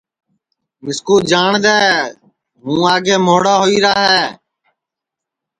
مِسکُو جاٹؔدؔے ہُوں آگے مھوڑا ہوئیرا ہے